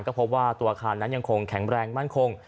ก็พบว่าตัวอาคารนั้นยังคงแข็งแรงมั่นคง